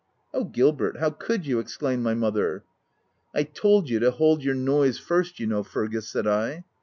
* Oh, Gilbert ! how could you ?" exclaimed my mother. " I told you to hold your noise first, you know Fergus," said I.